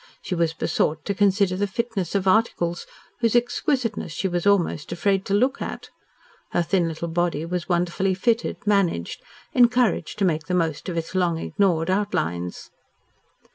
She was besought to consider the fitness of articles whose exquisiteness she was almost afraid to look at. Her thin little body was wonderfully fitted, managed, encouraged to make the most of its long ignored outlines.